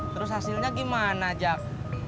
terus hasilnya gimana jak